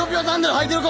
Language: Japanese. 履いてるか！